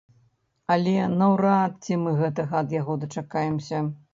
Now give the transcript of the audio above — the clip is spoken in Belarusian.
Але наўрад ці мы гэтага ад яго дачакаемся.